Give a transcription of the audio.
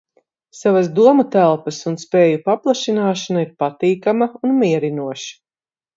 Savas domu telpas un spēju paplašināšana ir patīkama un mierinoša.